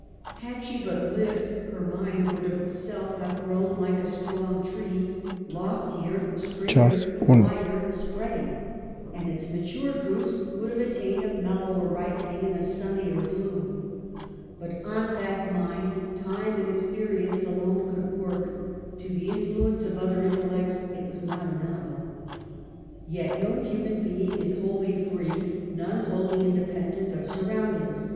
Had she but lived, her mind would of itself have grown like a strong tree — loftier and ■ W [/THE RING HEIGHTS: 209 straighter, wider spreading — and its matured fruits would have attained a mellower ripening and sunnier bloom ; but on that mind time and experience alone could work, to the influence of other intellects it was not amenable." l Yet no human being is wholly free, none wholly independent, of surroundings.